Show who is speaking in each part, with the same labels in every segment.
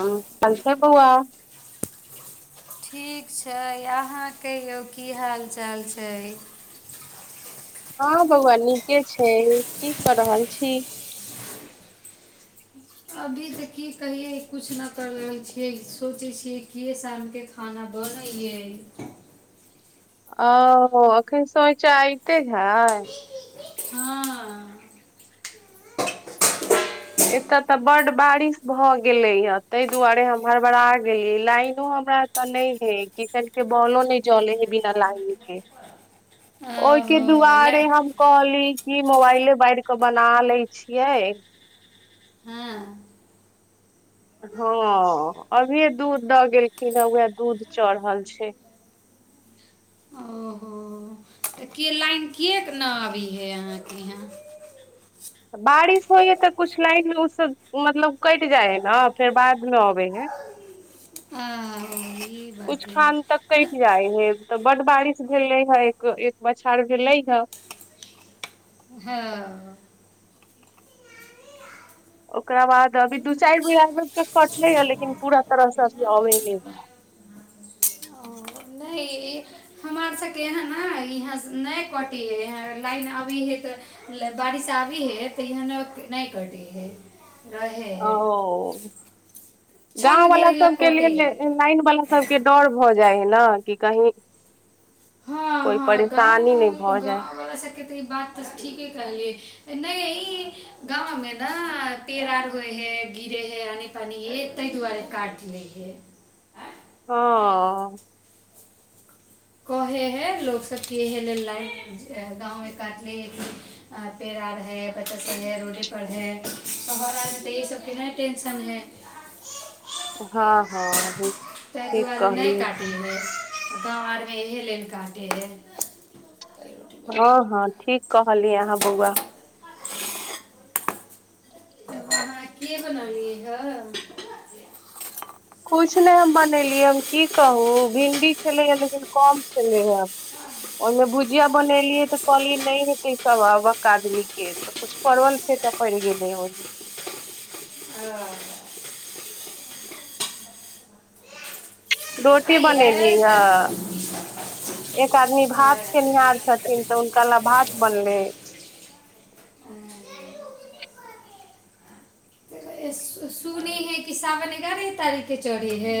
Speaker 1: ह संसय बौआ
Speaker 2: ठीक छै। अहाँ कहियौ की हाल चाल छै?
Speaker 1: हँ बगआान नीके छै। की कर रहल छी?
Speaker 2: अभी तऽ की कहियै कछु नहि कर रहल छै। सोचै छियै कि शाम के खाना बन है।
Speaker 1: ओ एखन समचच आऐते ह
Speaker 2: हँ
Speaker 1: एतय तऽ बड बारिश भऽ गेले या ताहि दुआरे हम हड़बड़ा गेली लाइनो हमरा तऽ नहि है। किकट के बॉलो नहि जले है। बिना लाइन के ओहिके
Speaker 2: ओहो ला
Speaker 1: दुआरे हम कहली कि मोबाइले बार कऽ बना लैत छियै।
Speaker 2: हँ
Speaker 1: हँ अभिये दूध द गेलखिन हे उह दूध चढ़ल छै।
Speaker 2: ओहो तऽ के लाइन कियेक न आबै है अहाँके ई हाँ
Speaker 1: बारिश होइ है। तऽ कुछ लाइन ओसब मतलब कटि जाइ है न फेर बाद मे अबै है
Speaker 2: आ
Speaker 1: [inaudible]
Speaker 2: ई बात
Speaker 1: कुछ
Speaker 2: है
Speaker 1: खान तक
Speaker 2: न
Speaker 1: कटि जाय हे तऽ बड बारिश भेले हे एक बछाड़ भेले हे
Speaker 2: हँ
Speaker 1: ओकरा बाद अभी दू चारि बेरमे तऽ कटले हए, मुदा पूरा तरहसँ अभी अबे ने।
Speaker 2: हमर सभके यह ने इहा नहि कटे लाइन अबी हे ते बारिश आब है। तऽ यह ने नहि करटे है रहे हय
Speaker 1: ओ गाँंव
Speaker 2: छन घड़
Speaker 1: वाला
Speaker 2: लए
Speaker 1: सबके
Speaker 2: कटे
Speaker 1: लेल
Speaker 2: हय
Speaker 1: लाइन वला सभके डर भऽ जाय है न कि कहीं कोइ परेशानी नहि भऽ जाय
Speaker 2: शक्यत ह ई बात तऽ ठीके कहलिये नहि ई गाँवमे न पेरार होए है गिरे है कनि ताहि दुआरे काट लै ह
Speaker 1: ह
Speaker 2: कहे हे लोक सभके हेल लेल ला गाँवमे काटले पेड़ आ बचा सभ रोडपर हइ, तऽ एहि सभके कोनो टेंशन नहि अछि।
Speaker 1: हँ हँ हम ठीक कहलोये
Speaker 2: [unintelligible] इहे लेन काटे है
Speaker 1: हँ हँ ठीक कहलियाँ आहाँ बौआ
Speaker 2: कीए बनाली हँ
Speaker 1: कुछ नहि हम बनेलियै हम की कहू भिंडी छलै ह लेकिन कम छलै हे ओहिमे भुजिया बनेलियै तऽ कहलियै नहि हेतै सबावक आदमी के किछ परवल फेटअ पड़ि गेलै ओ जे
Speaker 2: आ [inaudible]
Speaker 1: रोटी बनेली हँ
Speaker 2: तऽ
Speaker 1: एक आदमी
Speaker 2: आ,
Speaker 1: भात खेनिहार छथिन तऽ हुनका लऽ भात बनले
Speaker 2: आ, सुने है ई साावन एगारह तारीख के चरहे है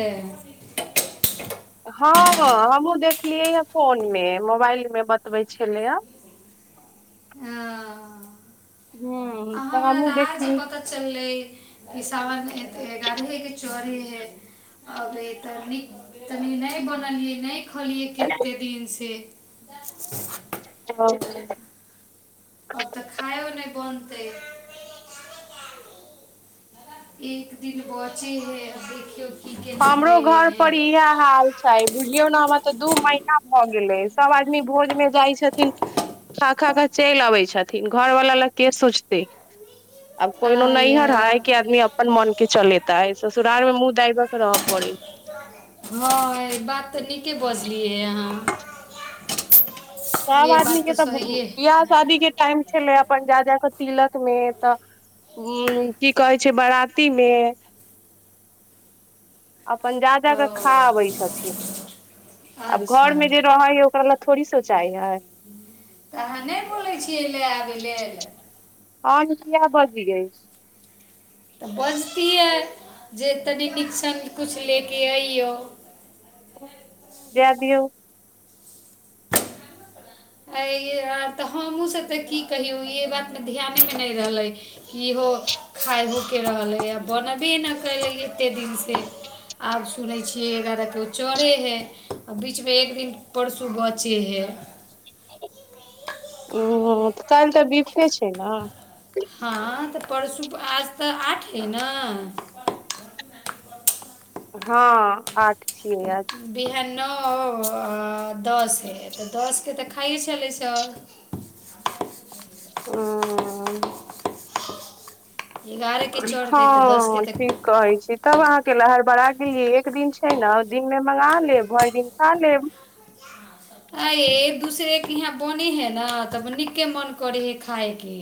Speaker 1: हँ हमहु देखलियै यऽ फोन मे मोबाइल मे बतबे छले हँ
Speaker 2: आ,
Speaker 1: हू
Speaker 2: आ
Speaker 1: तऽ
Speaker 2: हमरा
Speaker 1: हमू
Speaker 2: आज
Speaker 1: देखली
Speaker 2: पता चललै एय सावन ग्यारहे केऽ चरहै हइ अभि तऽ नीक तनी नहि बनलियै नहि खलियै कते दिन से
Speaker 1: हँ
Speaker 2: अब तऽ खाायो नहि बनते एक दिन बचे हइ अब देखियौ की केना
Speaker 1: हमरो
Speaker 2: होइ
Speaker 1: घर
Speaker 2: है
Speaker 1: पर इ हेय हाल छै बुझलियौ न हमर तऽ दू महीना भऽ गेलै सभ आदमी भोज मे जाइ छथिन खा खा खा चलि अबै छथिन घर वाला लऽ के सोचतै अब कोइनो
Speaker 2: आया
Speaker 1: नइहर हइ कि आदमी अपन मोन के चलेतय ससुराल मे मुँह दायब कऽ रहऽ पड़े
Speaker 2: हँ यैऽ बात तऽ नीके बजलियै आहाँ
Speaker 1: सभ आदमी के तऽ बियाह शादी के टाइम छलै अपन जा जा कऽ तिलक मे तऽ उ की कहै छै बराती मे अपन जा जा
Speaker 2: ओ
Speaker 1: क खा अबै छथिन आब घर
Speaker 2: अच्छा
Speaker 1: मे जे रहै है ओकरा ल थोड़ी सोचाइ हई
Speaker 2: तऽ आहाँ नई बोल छियै लए आबै लेल
Speaker 1: हँ नकिया बजिये
Speaker 2: तऽ बजतियै जे तनी नीकसँण किछु लेय कऽ अइयौ
Speaker 1: जा दियो
Speaker 2: अ ई ये यार हमहु सब तऽ की कहियौ ई बात मे ध्यान मे नहि रहलै इहो खाइहो के रहलै आ बनबे नहि कयलक एतेक दिन से आब सुनै छियै एगारह के चढ़े हे आ बीच मे एक दिन परसू बचे हे
Speaker 1: ह तऽ काल्हि तऽ बीसे छै न
Speaker 2: हँ तऽ परसू आज तऽ आठ हइ न
Speaker 1: हँ आठ छियै आज
Speaker 2: तऽ बिहान नौ आ दस हइ तऽ दस के तऽ खाइे छलै सभ
Speaker 1: हँ
Speaker 2: एगारहके चढ़तै तऽ
Speaker 1: हँ
Speaker 2: दसके तऽ
Speaker 1: ठीक कहै छी तब अहाँ कैय लऽ हरबड़ा गेलिये एक दिन छै न दिन म मगा लेब भरि दिन खा लेब
Speaker 2: आ एक दूसरे के यहाँ बने है न तब नीके मन करे हे खायके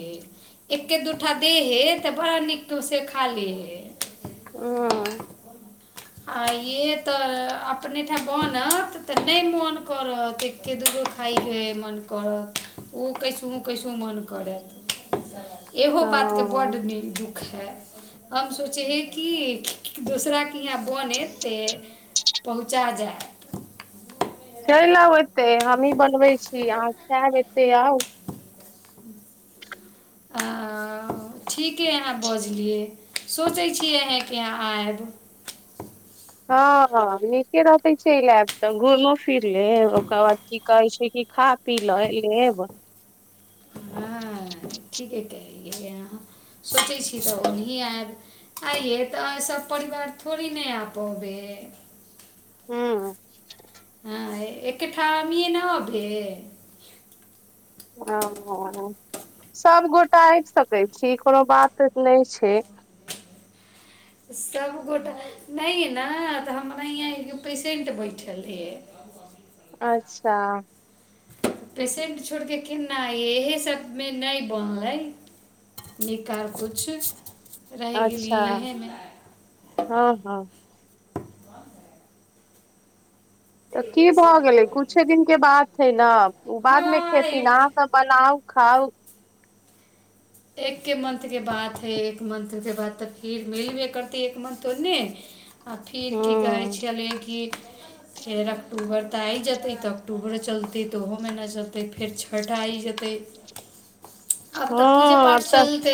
Speaker 2: एके दूठटा दे हे तऽ बड़ा नीक से खा ले हे
Speaker 1: हुँ
Speaker 2: आ ये तऽ अपने ठाम बनत तऽ नहि मोन करत के दुगो खाइके मन करत ओ कैसहु कैसहु मोन करत इहो
Speaker 1: हँ
Speaker 2: बातके बड्ड नीक दुःख हए हम सोचे हिये कि दूसरा केय हिया बन एतै पहुँचा जाय
Speaker 1: चलि आउ एते हमही बनबै छी। अहाँ खायब एते आउ
Speaker 2: ठीके अहाँ बजलियै सोचै छिय। अह कि अहाँ आयब
Speaker 1: हँ हँ नीके रहते चलब तऽ घूमो फिर ले ओकर बाद की कहै छै। कि खा पी लऽ लेब [unintelligible]
Speaker 2: हँ ठीके कहलियै अहाँ सोचै छी। तऽ ओही आयब आइय तऽ सभ परिवार थी नहि आबे
Speaker 1: हँ
Speaker 2: हँ एकठाममे नहि भेल
Speaker 1: ओ सभ गोटा आबि सकै छी। कोनो बात नहि छै।
Speaker 2: सभगोटा नहि ने तऽ हमरा ईहाँ एगो पेशेन्ट बैठल रहि
Speaker 1: अच्छा
Speaker 2: पसेंट छोड़ के किना इहे सभ मे नहि बोनलै निकार किछु
Speaker 1: अच्छा हँ हँ तऽ की भऽ गेलै कुछे दिन के बाद थे न ओ बाद मे
Speaker 2: हँ
Speaker 1: खेथिन
Speaker 2: एक
Speaker 1: आ बनाउ खाउ
Speaker 2: एक्के मंथके बात हइ एक मंथके बात तऽ फेर मिलबे करतै एक मंथ ओन्न आ फेर की कहै
Speaker 1: हँ
Speaker 2: छलै कि फेर अक्टूबर तऽ आइ जेतै तऽ अक्टूबर चलतै तऽ ओहो महना चलतै फेर छठि आइ जेतै
Speaker 1: [inaudible]
Speaker 2: अब तऽ पूजे पाठ
Speaker 1: आब
Speaker 2: चलते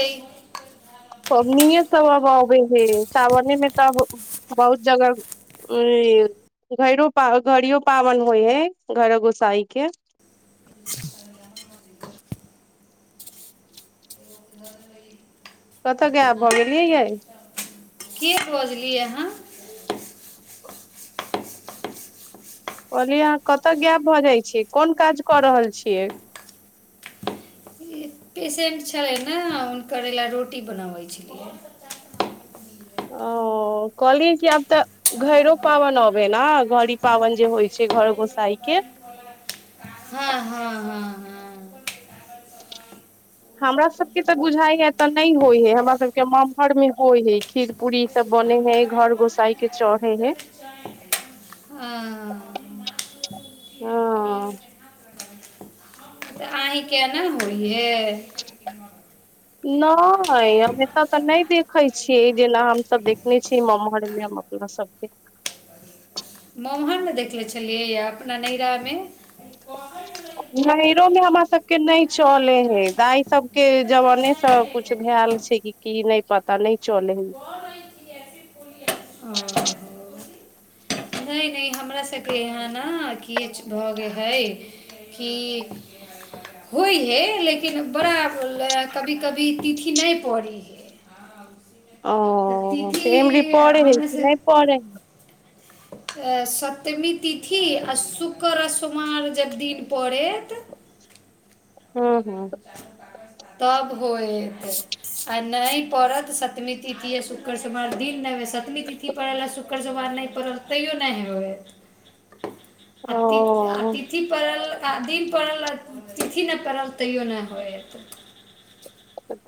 Speaker 1: पबनि सभ अब अबे हे सावने मे तऽ बहुत जगह उ घरो घड़ी पाबनि होइ है घर गोसाई के
Speaker 2: ज लोक भ
Speaker 1: कतऽ गब भऽ गेलियै यै
Speaker 2: के बोजलियै अहँ
Speaker 1: कहली अहाँ कतय गप भऽ जाइ छीयै कोन काज कऽ रहल छियै।
Speaker 2: पेशेन्ट छलै ने हुनकर, एहि लेल रोटी बनबैत छलियै।
Speaker 1: ओ कहलियै जे आब तऽ घरोमे पाबनि आबि रहल अछि ने, घड़ी पाबनि जे होइत अछि, घर गोसाइँक।
Speaker 2: हँ हँ हँ हँ
Speaker 1: हमरा सभके तऽ बुझाइ ह तऽ नहि होइ हय हमरा सभके ममहर मे होइ हय खीर पूरी ई सभ बने हैं घर गोसाई के चढ़े हैं
Speaker 2: आ
Speaker 1: ह
Speaker 2: आइ केना होइये
Speaker 1: नहि हम एतय तऽ नहि देखे छियै जेना हमस देखने छियै ममहर मे सबके
Speaker 2: वहन ने देखले छलियै य अपना नैहरा मे
Speaker 1: [inaudible] नैरो मे हमरा सभके नहि चले हे दइ सभके जमाने सभ कछु भेलल छै। कि की नहि पता नहि चलै ह
Speaker 2: नहि नहि हमरा सभके यहाँ ने कि भऽ गेल हइ कि होइ हे लेकिन बड़ा कभी कभी तिथि नहि पढ़ी हे
Speaker 1: ओ से एम पी
Speaker 2: तिथि
Speaker 1: मे होइत
Speaker 2: हमरा
Speaker 1: छै,
Speaker 2: से
Speaker 1: नहि पढ़ै।
Speaker 2: अ सप्तमी तिथि आ शुक्र आ सोमार जब दिन पड़त
Speaker 1: हँ हँ
Speaker 2: तखन होयत, आ नहि पड़त। सप्तमी तिथि शुक्रदिन पड़त। ई पड़ल शुक्रदिन, जँ नहि पड़ल तऽ तैयो नहि होयत।
Speaker 1: [inaudible]
Speaker 2: अति
Speaker 1: ओ
Speaker 2: अतिथि दिन पड़ल आ तिथि नहि पड़ल, तैयो नहि होयत।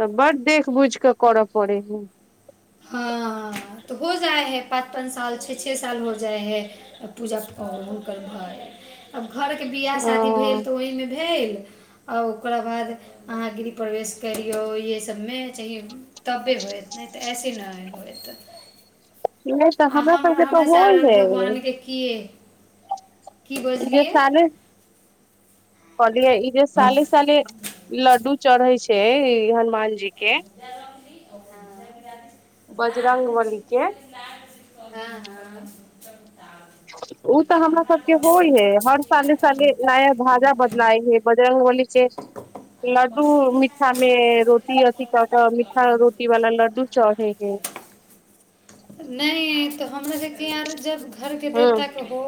Speaker 1: तऽ बड देख बुझ कऽ करऽ पड़े ह [inaudible]
Speaker 2: हँ तऽ भऽ जाइत अछि, पाँच पाँच साल, छओ छओ साल भऽ जाइत अछि। आ पूजामे हुनकर घरमे ब्याह शादी भेल
Speaker 1: ओ
Speaker 2: तऽ ओहिमे भेल। आओर ओकरा बाद अहाँ गिरी प्रवेश करियौ इएह सभमे चाह तबे होयत नहि तऽ ऐसे नहि होयत
Speaker 1: ई तऽ
Speaker 2: आ हम
Speaker 1: हमरासभकेँ
Speaker 2: हमरा सारा
Speaker 1: होइए।
Speaker 2: भगवानके किए की बजलियै
Speaker 1: कहलै जे साले साले। लड्डू चढ़ैत छै हनुमानजीकेँ।
Speaker 2: ई ओकर [unintelligible]
Speaker 1: बजरंगबलीकेँ
Speaker 2: ह ह
Speaker 1: ओ तऽ हमरा सभकेँ होइ छै, हर साल नया ध्वजा बदलै छै बजरंगबलीकेँ। से लड्डू मीठा मे रोटी अथी कऽ कऽ मीठा रोटी वाला लड्डू चढ़े हे।
Speaker 2: नहि तऽ हमरोके यार जब घरके
Speaker 1: हँ
Speaker 2: देवताके हो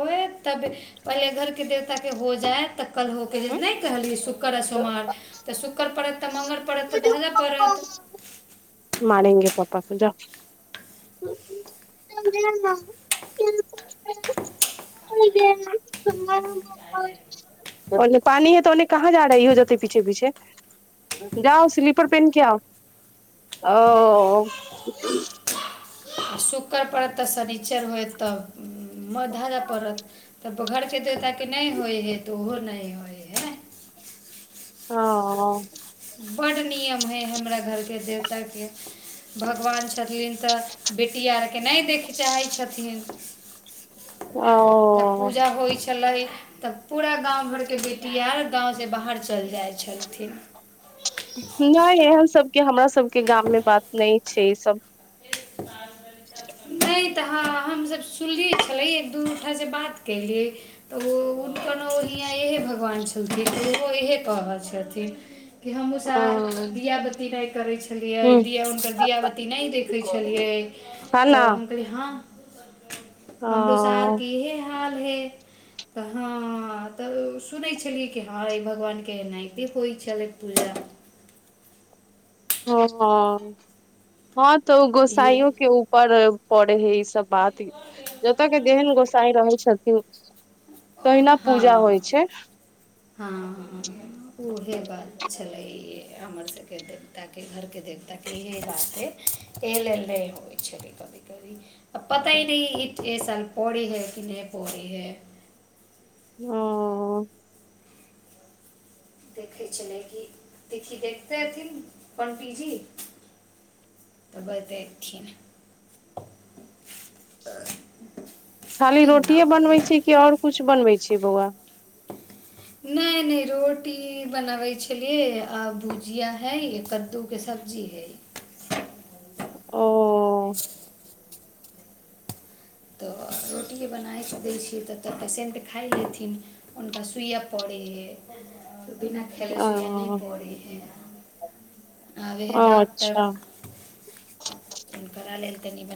Speaker 2: तब पहिले घर के देवता के हो जाय तऽ कल हो के नहि कहलिय शुक्र आ सोमवार तऽ शुक्र पड़त तऽ मंगल पड़त तऽ धजय पड़त
Speaker 1: मारेंगे पाप्प कोजउ [unintelligible] [unintelligible] ओन्ने पानी ह तो ओन्ने कहाँ जा रहा ह हो जेतै पीछे पीछे जाउ स्लीपर पेन्ट के आउ ओ
Speaker 2: आ शुक्र पड़त तऽ शनिचर होयत तऽ मऽ धऽ जाय पड़त तऽ घरके देवताके। नहि होय हे तऽ ओहो नहि हो
Speaker 1: ह
Speaker 2: बर नियम हय हमरा घर के देंवता के भगवान छथिन। तऽ बेटी आरके नहि देखैय चाहै छथिन।
Speaker 1: ओ
Speaker 2: जब
Speaker 1: ओ
Speaker 2: पूजा होइ छलै तब पूरा गाँव घरके बेटी आर गाँवसँ बाहर चलि जाइ छलथिन
Speaker 1: नहि एहन सभके हमरा सभके गाम मे बात नहि छै ई सभ [inaudible]
Speaker 2: तऽ ह हमस सुनलियै छलिय दू गोठास से बात केलियै तऽ ओ उठ कन हियँ एएह भगवान छलखन तऽ ओहो इएह कह रहल छथिन कि हमहूँ स
Speaker 1: ह
Speaker 2: दआ बताती नहि करै छलियै
Speaker 1: ह
Speaker 2: दिया हुनकर दआबताती नहि देखै छलियै
Speaker 1: न
Speaker 2: तऽ हम कहली हँ हमरो सर
Speaker 1: ह
Speaker 2: के इहे हाल है तऽ हँ तऽ सुनै छलियै। कि हँ भगवानके एनाहिते होइ छलै पूजा
Speaker 1: हँ, हँ तऽ ओ
Speaker 2: ई
Speaker 1: गोसाईयो के ऊपर पड़े है ई सभ बात जतऽ के जेहन गोसाई रहै छथिन तऽ तहिना
Speaker 2: हँ
Speaker 1: पूजा होइ छै।
Speaker 2: हँ उहे बात छलै हमर सभके देवताके घरके देवताके इही बात हइ एहि लेल नहि होइ छै कभी पता ही नै साल पढ़ी है कि नहि पढ़ी है
Speaker 1: ओ
Speaker 2: देखै छलै कि तिथि देखिते हथिन पण्डीजी तऽ बतयथिन
Speaker 1: खाली रोटिये बनबै छै कि आओर कुछु बनबै छै बौआ
Speaker 2: नहि नहि रोटी बनबै छलियै आ भुजिया हइ कद्दूके सब्जी हइ
Speaker 1: ओ
Speaker 2: तऽ रोटिए बनाय कऽ दै छियै तऽतऽ पेशेंट खाइ हथिन हुनका सुइए पड़ै हइ बिना खेलय सुइए नहि
Speaker 1: ओ
Speaker 2: पड़ै हइ आबे हे डॉक्टर
Speaker 1: अच्छा
Speaker 2: कोन कर लेल तनी बना